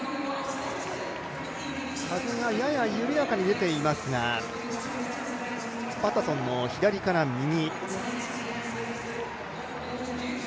風がやや緩やかに出ていますが、パタソンの左から右。